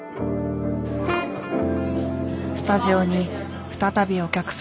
スタジオに再びお客さん。